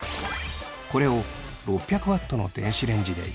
これを６００Ｗの電子レンジで１分。